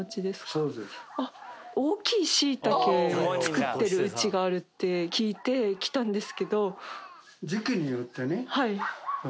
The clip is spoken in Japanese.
大きいしいたけ作ってるうちがあると聞いて来たんです。